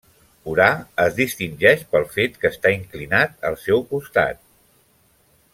Urà es distingeix pel fet que està inclinat al seu costat.